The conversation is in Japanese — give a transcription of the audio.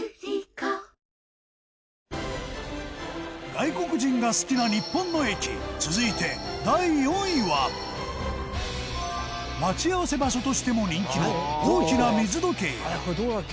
外国人が好きな日本の駅続いて、第４位は待ち合わせ場所としても人気の大きな水時計や石原：これ、どこだっけ？